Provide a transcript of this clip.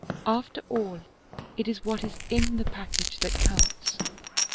After all, it is what is in the package that counts.